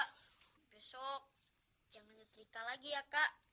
besok jangan nyetrika lagi ya kak